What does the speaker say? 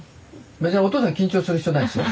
別にお父さん緊張する必要ないんですよ。